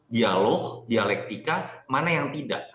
dialog dialektika mana yang tidak